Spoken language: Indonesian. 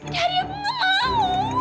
tapi dari aku gak mau